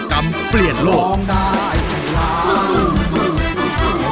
สำนัก